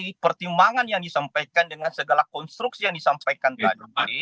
jadi pertimbangan yang disampaikan dengan segala konstruksi yang disampaikan tadi